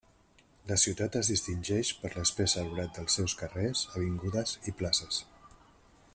La ciutat es distingeix per l'espès arbrat dels seus carrers, avingudes i places.